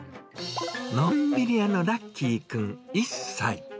のんびり屋のラッキーくん１歳。